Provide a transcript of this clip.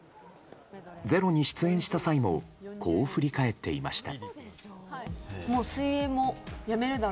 「ｚｅｒｏ」に出演した際もこう振り返っていました。